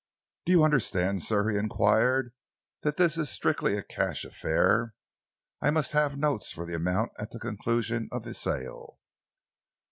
"Do you understand, sir," he enquired, "that this is strictly a cash affair? I must have notes for the amount at the conclusion of the sale."